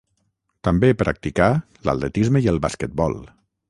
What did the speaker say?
També practicà l'atletisme i el basquetbol.